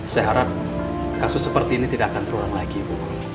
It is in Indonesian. saya harap kasus seperti ini tidak akan terulang lagi ibu